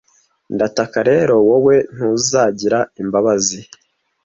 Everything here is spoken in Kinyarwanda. ndataka rero wowe ntuzagira imbabazi